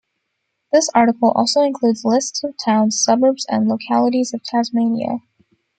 This article also includes lists of towns, suburbs and localities of Tasmania.